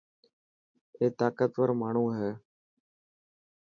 اي طاقتور ماڻهو هي.